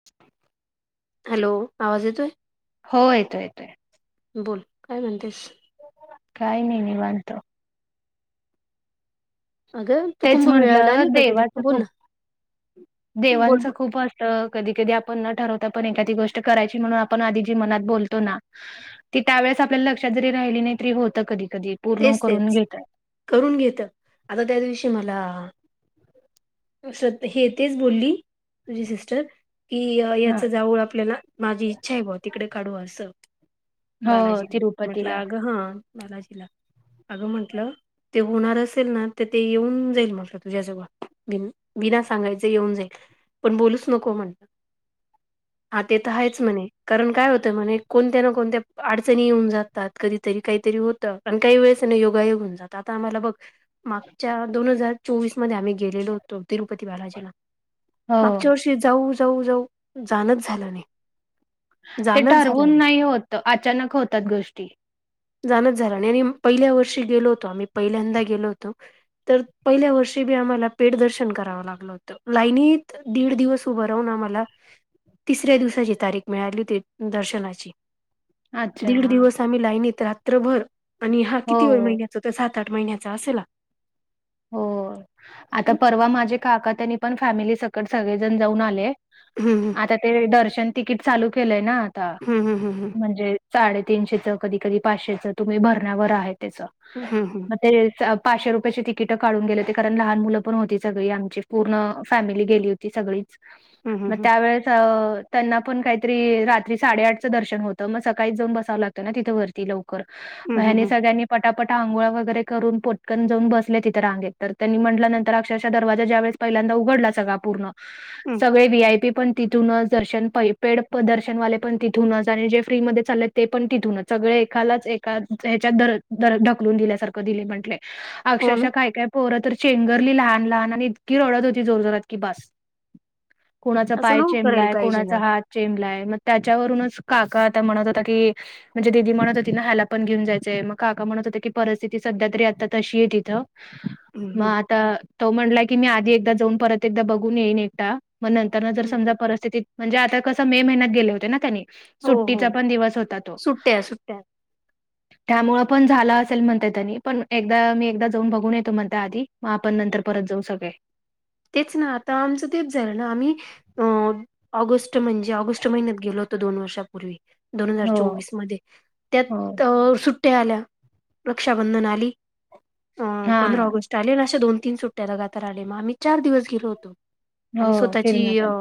[inaudible] Hello! आवाज येतोय? हो येतो येतोय. बोल काय म्हणतेस. काय नाई निवांत‌. अगं तू तेच कुंभमेळ्याला म्हंटलं आली का कधी देवाच बोल खूप, ना बोल देवांचं बोल खूप असं त कधी कधी आपण न ठरवता पण एखादी गोष्ट करायची म्हणून आपण आधी जी मनात बोलतो ना. ती त्यावेेळेस आपल्या लक्षात जरी राहिली नाही तरी होतं कधी कधी. पूर्ण तेच करून तेच घेतात करून घेत आता त्या दिवशी मला श्र-हे तेच बोलली तुझी सिस्टर. कि हा याच जावुळ आपल्याला माझी इच्छा आहे बॉ तिकडे काढु असं. हो बालाजीला म्हटलं तिरुपतीला अग हा, बालाजीला. अगं म्हंटलं ते होणार असेल ना, तर ते येऊन जाईल मट तुझ्याजवळ. बिना सांगायच येऊन जाईल पण बोलूच नको म्हण. [inaudible] हा ते तर हाएच म्हणे कारण काय होतंय म्हणे, कोणत्या ना कोणत्या अडचणी येऊन जात तात कधी तरी काहीतरी होतं. पण काही वेळेस ना योगायोग होउन जात, आता आम्हाला बग मागच्या दोन हजा चोवीस मध्ये आम्ही गेलेलो होतो. तिरुपती बालाजीला हो मागच्या वर्ष जाऊ, जाऊ, जाऊ जाणच झालं नाही. ते जाणंच झालं ठरवून नाही होत, अचानक होतात गोष्टी. जाणच झालं नाही आणि पहिल्या वर्षी गेलो होतो आम्ही पहिल्यांदा गेलो होतो. तर पहिल्या वर्षी बी आम्हाला पेड दर्शन करावं लागलं होतं. लाईनीत दीड दिवस उभं राहून आम्हाला तिसऱ्या दिवसाची तारीख मिळाली होती दर्शनाची. अच्छा दीड हा दिवस आम्ही लाईनीत रात्रभर आणि हा हो किती वेळ महि तो तर सात आठ महिन्याचा असेल. हो आता परवा माझे काका त्यांनी पण फॅमिली सकट सगळेजण जाऊन आले. हम हं. आता ते दर्शन तिकीट चालू केलंय ना आता. हम हम हं. म्हणजे साडेतीनशेच कधी कधी पाचशेचं तुम्ही भरण्यावर आहे त्याच. हम, हम! ए-पाचशे रुपयाची तिक किट काढून गेले होते, कारण लहान मुलं पण होती, सगळी आमची पूर्ण फॅमिली गेली होती सगळीच. मग हम्म त्यावेेळेस अ त्यांना पण काहीतरी रात्री साडेआठचं दर्शन होतं, मग सकाळीच जाऊन बसावं लागतं ना तिथं वरती लव कर हम्म यांनी हम्म सगळ्यांनी पटापट अंघोळ वगैरे करून पटकन बसले तिथे. रांगेत तर त्यांनी म्हटल्यानंतर अक्षरशा दरवाजा ज्या वेस पहिल्यांदा उघडला सगळा पूर्ण, हम्म सगळे वी आय पी पण तिथूनच, दर्शन प पेड दर्शनवाले पण तिथूनच, आणि जे फ्री म चालले ते पण तिथूनच. सगळे एखालाच एका हच्यात दर दर-ढकलून दिल्यासारख दिले म्हटले. हो ना अक्षरशा काय काय पोरं तर चेंगरली लहान लहान आणि इतकी रडत होती जोर जोरात की बस. कोणाचा असं पाय नको करायला चेमलाय, पाहिजे ना कोणाचा हात जचेमलाय मग त्याच्यावरूनच काका आता म्हणत होता की, म्हणजे दिदी म्हणत होती ना ह्याला पण घेऊन जायचंय मग काका म्हणत होतं की परिस्थिती सध्या तरी आता तशी आहे तिथं. हम्म म हम्म तर तो म्हणटलाय की मी आधी एकदा जाऊन परत एकदा बघून येईन एकटा म्ह ता जर हम्म समजा परिस्थितीत म्हणजे आता कसं मे महिन्यात गेले होते ना त्यांनी. हो हो सुट्टीचा पण दिवस होता तो. सुट्ट्या सुट्ट्या त्यामुळे पण झालं असेल म्हणता तनी पण एकदा मी एकदा, जाऊन बघून येतो म्हण त्या आधी मग आपण नंतर परत जाऊ सगळे तेच ना आता आमचं तेच झालं ना आम्ही अ ऑगस्ट म्हणजे ऑगस्ट महिन्यात गेलोत दोन वर्षापूर्वी दोन हजार हो, चोवीस म हो, त्या आल्या रक्षाबंधन आली अ हा, पंधरा ऑगस्ट आले ना अशा दोन तीन सुट्ट्याला गातहिले मग आम्ही चार दिवस गेलो होतो हो आणि स्वतःची फिरणं पण.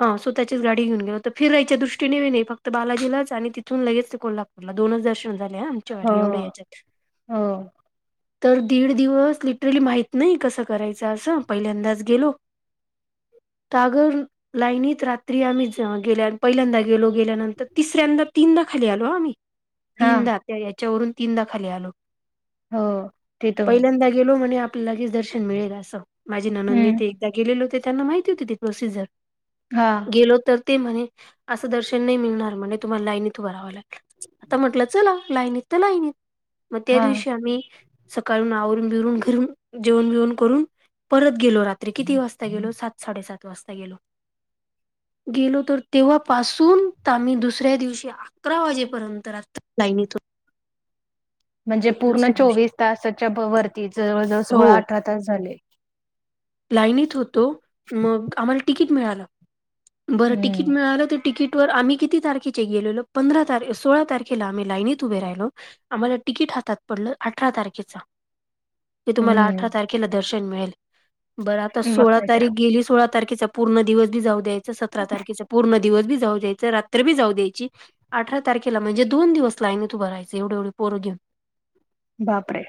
हां सो त्याची गाडी घेऊन गेलो तर फिरायच्या दृष्टीनेी नाही फक्त बालाजीलाच आणि तिथून लगेच ते कोल्हापू र मला दोनच दर्शन झाले आमच्या व हो, एवढ्या याच्यात हो तर दीड दिवस लिटरली माहत नाही कसं करायचं असं पहिल्यांदाच गेलो अगर लाईनीत रात्री आम्ही गेल्या पहिल्यांदा गेलो गेल्यानंतर तिसऱ्यांदा तीनदा खाली आलो आम्ही हा तीनदा त्या याच्यावरून तीनदा खाली आलो हो तिथून पहिल्यांदा गेलो म्हणे आपल्यालागेच दर्शन मिळेल असं माझी ननंद हम्म ते गेले होते त्यांना माहिती होती ते प्रोसिजर हा गेलो तर ते म्हणे असं दर्शन नाही मिळणार म्हणज तुम्हाला लाईन इथ भरावं लागल आता म्हटलं चला लाईनीत तर लाईनीत मग त्या हा दिवशी आम्ही सकाळून आवरून बिरून घर जेवण बिवण करून परत गेलो रात्री किती वाजता गेलो सात साडेसात वाजता गेलो [unintelligible] गेलो तर तेव्हापासून तर आम्ही दुसऱ्या दिवशी अकरा वाजेपर्यंत रातो लाय नी त म्हणजे पूर्ण दिवशी चोवीस तसाच्या वरती जवळजवळ हो सोळा अठरा तास झाले लाईनत होतो मग आम्हाला तिकीट मिळालं बर तिकट तिकीट हम्म मिळालं तिकीटवर आम्ही किती तारखेचे गेलेलो पंधरा तारखे सोळा तारखेला आम्ही लाईनत उभे राहिलो आम्हाला टिकिट हा- हातात पडलं अठरा तारखेचा ते तुम्हाला हम्म अठरा तारखेला दर्शन मिळेल. बरं आता मग सोळा काय तर तारीख गेली सोळा तारखेचा पूर्ण दिवस बी जाऊ द्या सतरा तारखेचा पूर्ण दिवस बी जाऊ द्यायचा तर बी जाऊ द्यायची अठरा तारखेला म्हणजे दोन दिवस ला आहे आणि तू भरायच एवढे एवढे पोंर घेऊन बापरे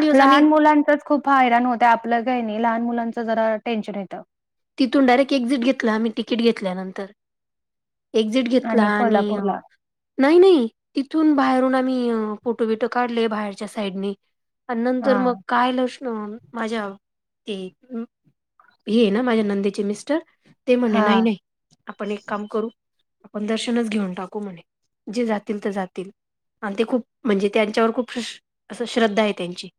दिवस आणि लहान मुलांचच खूप हा हैराण होत आपलं काही नाही लहान मुलांचं जरा टेन्शन येतं तिथून डायेक्टक्झिट घेतलं आम् तिकट घेतल्यानंतर एक्झिट घेतला आणि नाही नाही तिथून बाहेरून आम्ही फोटो विटो काढले बाहेरच्या साईडने आणि नंतर हा मग काय लक्ष्ण माझ्या ते हे ना माझ्या नंदेचे मिस्टर ते म्हणणे हा नाही नाही आपण एक काम करू आपण दर्शनच घेऊन टाकू म्हणे जे जातील ते जातील. आणि ते खूप म्हणजे त्यांच्यावर खूप असं श्रद्धा आहे त्यांची-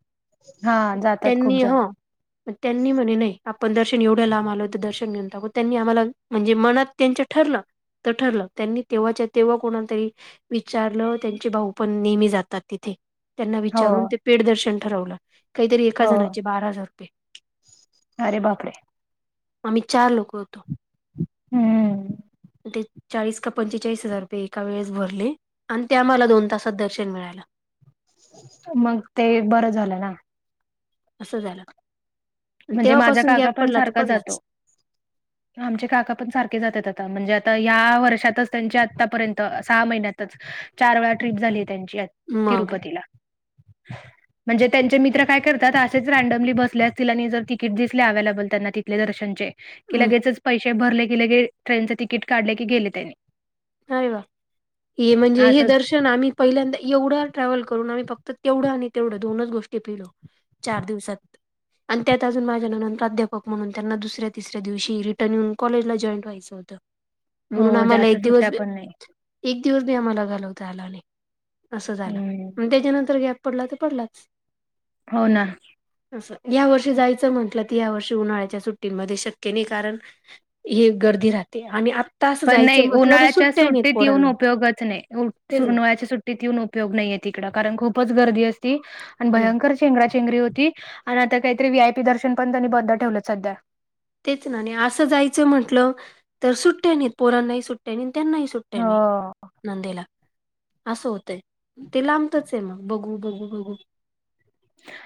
हा जातात खूप त्यांनी जण ह... मग त्यांनी म्हणे नाही आपण दर्शन एवढं ला आलो तर दर्शन घेऊन टाकू त्यांनी आम्हाला- म्हणजे मनात त्यांच ठरलं तर ठरलं त्यांनी तेव्हाच्या तेव्हा कोणालातरी विचारलं त्यांचे भाऊ पण नेहमी जातात तिथे. त्यांना हो विचारून ते पेड दर्शन ठरवलं काहीतरी एका हो जणाचे बारा हजार रुपये अरे बापरे आम्ही चार लोक होतो हम्म... ते चाळीस का पंचेचाळीस हजार रुपये एका वेळेस भरले आणि त्या मला दोन तासात दर्शन मिळाला मग ते बरं झालं ना. असं झालं- म्हणजे माझा तेव्हापासून काका गॅप पण पडला तर सारखा जातो. पडलाच आमचे काका पण सारखे जातात आता म्हणजे आता या वर्षातच त्यांचे आतापर्यंत सहा महिन्यातच चार वेळा ट्रीप झाली त्यांची मग तिरुपतीला म्हणजे त्यांचे मित्र काय करतात असेच रँडमली बसल्यात त्याना तिकीट दिसल्या अवलेबल त्यांना तिथले दर्शनचे की हम् लगेच पैसे भरले की लगे ट्रेनचं तिकीट काढले की गेले त्यानी नाहीय वा हे म्हणजे हे असंच दर्शन आम्ही पहिल्यांदा एवढा ट्रॅव्हल करून आम्ही फक्त तेवढं आणि तेवढं दोनच गोष्टी फिरलो. चार दिवसात आणि त्यात अजून माझ्या ननंद प्राध्यापक म्हणून त्यांना दुसऱ्या, तिसऱ्या दिवशी रिटर्न येऊन कॉजला जॉईन व्हायच. चौथा हो जास्त सुट्ट्या पण नाही. एक दिवस बी आम्हाला घालवता आलं नाही असं हम्म झालं त्याच्यानंतर गॅप गॅप पडला तर पडलाच. हो ना... असं या वर्षी जायचं म्हंटलं तर या वर्षी उन्हाळ्याच्या सुट्टींमध्ये शक्य नाही कारण हे गर्दी राहते आणि आत्ता आस जायच म्हटलं तर सुट्ट्या नाहीत सुट्ट येऊन पोरांना उपोगच नाही तेच ना उन्हाळ्याचा सुट्टीत सुट्टीत येऊन उपयोग नाहीये तिकड कारण खुपच गर्दी असती आणि हम्म. भयंकर चेंगराचेंगरी असती चेंगराचेंगरी होती आणि आता काहीतरी व्ही आय पी दर्शन पण त्यांनी बंद ठेवलं सध्या तेच ना नाही असं जायचं म्हटलं तर सुट्ट्या नाहीत पोरांनाही सुट्ट्या नाही त्यांनाही सुट्टय़ा सुट्ट्या नाही. हो. नंदेला असं होतंय ते लांबतच आहे मग बघू बघू बघू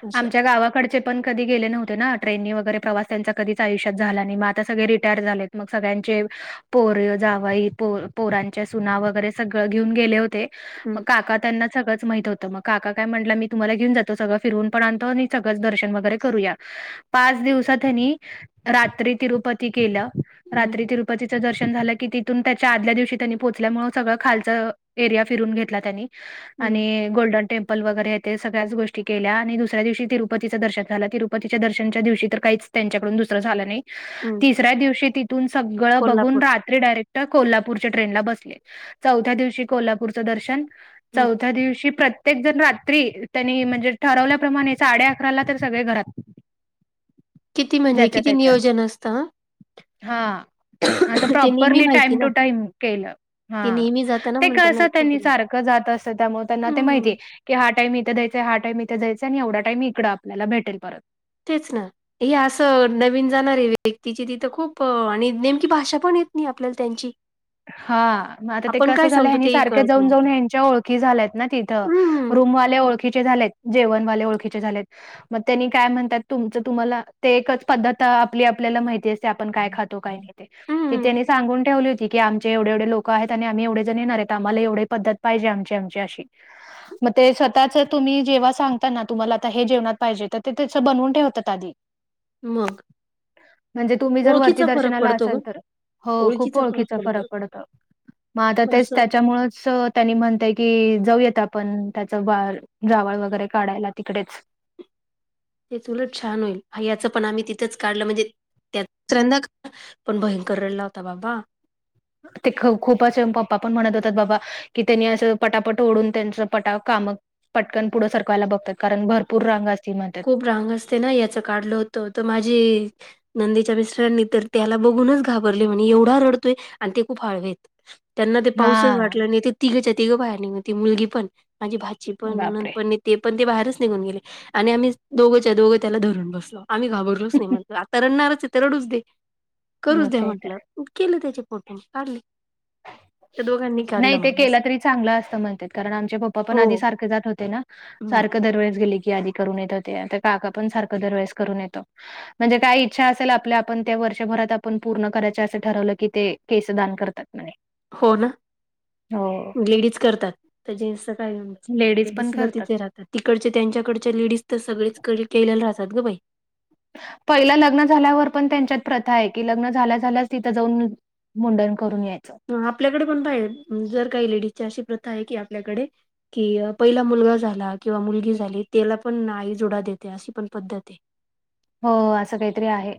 असं आमच्या गावाकडच्या पण कधी गेले नव्हते ना ट्रेननी वगैरे प्रवास त्यांच्या कधीच आयुष्या झाला नाही मग आता सगळे रिटायर झाले. मग सगळ्यांचे पोर जावई पो पोरांचे सुना वगैरे सगळं घेऊन गेले होते. मग हम्म काका त्यांना सगळच माहित होतं मग काका काय म्हटलं मी तुम्हाला घेऊन जात त सगळ फिरवून पण आणतो आणि सगळंच दर्श वगर करूया. पाच दिवसात त्यांनी रात्री तिरुपती केलं. हम्म रात्री तिरुपतीचं दर्शन झालं. कि तिथून त्याच्या आदल्या दिवशी त्यांनी पोहोचल्यामुळ सगळं खालचा एरिया फिरून घेतला त्यांनी हम्म आणि गोल्डन टेम्पल वगैरे ते सगळ्याच गोष्टी केल्या आणि दुसऱ्या दिवशी तिरुपतीचं दर्शन झा तिरुपतीच्या दर्शनच्या दिवशी तर काहीच त्यांच्याकडून दुसरं झालं नाही. हम्म तिसऱ्या दिवशी तिथून सगळं बघून कोल्हापूर रा ते डायरेक्ट कोल्हापूरच्या ट्रेनला बसले चौथ्या दिवशी कोल्हापूरचं दर्शन हम्म चौथ्या दिवशी प्रत्येक जण रात्री त्यांनी म्हणजे ठरवल्याप्रमाणे साडे अकराला तर सगळे घरात किती म्हणजे किती नियोजन असतं ह हा अस ते नेहमी प्रॉपरली टाईम माहिती ना टू टाइम केलं ह ते नेहमी जाताना ते म्हणून कस त्यांना येत नाही त्यांनी तुला सारख जात मग त्यांना ते माहिती हम्म आहे. क हा टाईमथ द्याय हा टाइमथ द्यायचाय आणि एवढ टाईम इकड आपल्याला भेटेल परत. तेच ना. हे असं नवीन जाणार आहे व्यक्तीची तिथं खूप आणि नेमकी भाषा पण येत नाही आपल्याला त्यांची. हा मग आता ते आपण कसं काय झालं सांगतो ह तेही सारखे कळत जाऊन नाही जाऊन यांच्या ओळख ी झालेत ना तिथं हम्म रूमवाले ओळखीचे झालेत जेवणवाले ओळखीचे झालेत. मग त्यांनी काय म्हणतात तुमच तुम्हाला ते एकच पद्धत आपली आपल्याला माहिती अस आपण काय खातो का नाही हम्म त्यांनी सांगून ठेवली कठी की आमचे एवढे एवढे लोक आहेत आणि आम्ही एवढे ज येणार आहेत आम्हाला एवढे पद्धत पाहिजे आमची आमची अशी. मग ते स्वतःच तुम् जेव सांगता ना तुम्हाला आता हे जेवणात पाहिजे तर ते त्याचं बनवून ठेवतात आधी मग. म्हणजे तुम्ही जर वरती ओळखीचा फरक दर्शनाला पडतो असाल ग तर. हो खूप ओळखीच तर फरक पडतो. म आता पण तेच असं त्याच्या त्यामुळेच त्यांनी म्हणताय की जाऊयात आपण. त्याचा वार जावळ वगैरे काढायला तिकडेच. तेच उलट छान होईल. भैयाचं पण आम्ही तिथंच काढलं. म्हणजे त्या [unintelligible] पण भयंकरडला होता बाबा. ते ख खूपचेन पप्पा पण म्हणत होतात बाबा. कि त्यांनी असं पटापट ओढून त्यांच पटा काम पटकन पुढं सरकवायला बघतात. कारण भरपूर रांग असती मध्ये. खूप रांग असते ना. याच काढल होतं तर माझी नंदेच्या मिस्टरानी तर त्याला बघूनच घाबरले, म्हनी एवढा रडतोय. आणि ते खूप हळवेत. त्यांना ते पाहूसच हा वाटलं नाही. ते तिघेच्या तिघं बाहेर नीघ, ती मुलगी पण. माझी भाजी पण, नणंद बापरे! पण. ते पण ते बाहेरच निघून गेले आणि आम्ही दोघच्या दोघं त्याला धरून बसलो. आम्ही घाबरलोच नाही. म्हटलं आता रडणारच आहे तर रडूच दे. करूच मग दे काय तर. म्हटलं. मग केले त्याचे फोटो. काढले. त्या दोघांनी नाही काढला ते मग केलं असा. तरी चांगलं असतं म्हणतात. कारण आमचे पप्पा पण आधी हो. सारखे जात होते ना. हं. सारखं दरवेळेस गेले की आदी करून येतं ते. आता काका पण सारखं दरवेेळेस करून येतो. म्हणजे काय इच्छा असेल आपल्या आपण त्या वर्षभरात आपण पूर्ण करायच असं ठरवलं, की ते केस दान करतात म्हणे. हो ना? हो. लेडीज करतात तर जेंट्सच काय घेऊन बसलात? लेडीज पण सुद्धा करतात. तिथे राहतात. तिकडचे त्यांच्याकडच्या लेडीज तर सगळेच कडे केलेले राहतात गं बाई. पहिल लग्न झाल्यावर पण त्यांच्यात प्रथा आहे, की लग्न झाल्या झाल्या तिथं जाऊन मुंडण करून यायचं. हं, आपल्याकडे पण पाहिल जर काही लेडीजची अशी प्रथा आहे की आपल्याकडे कि पहिला मुलगा झाला किंवा मुलगी झाली त्याला पण आई जुडा देते. अशी पण पद्धत आहे. हो, असं काहीतरी आहे.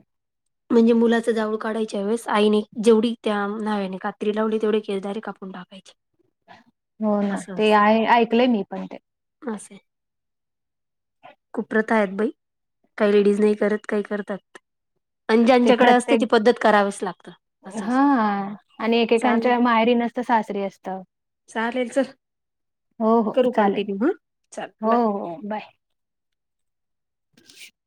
म्हणजे मुलाच जावऊळ काढायच्या वेळेस आईने जेवढी त्या न्हाव्याने कात्री लावली, तेवढे केस डायरेक्ट काप पून टाकायचे. हो ना, ते आहे. ऐकलंय मी पण ते. असये. खूप प्रथा आहेत बाई. काही लेडीज नाही करत, काही करतात. आणि ते ज्यांच्याकडे असते ती प्रत्येक पद्धत करावीच लागतं असं हा, असतं आणि चालेल एकेकांच्या माहेरी नस त सासरी असतं. चालेल चल. हो, हो. करू चालेल. कंटिन्यू हां? चल हो, बाय. हो. बाय.